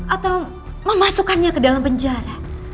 atau memasukkannya ke dalam penjara